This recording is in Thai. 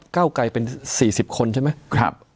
เก้าไกลเป็น๔๐คนใช่ไหม